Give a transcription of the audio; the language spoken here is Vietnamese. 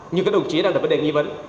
nhưng các đồng chí đang đặt vấn đề nghi vấn